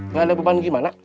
nggak ada beban gimana